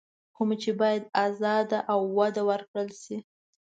کومه چې بايد ازاده او وده ورکړل شي.